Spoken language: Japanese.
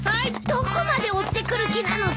どこまで追ってくる気なのさ！